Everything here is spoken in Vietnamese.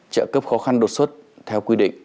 trợ cấp khó khăn đột xuất theo quy định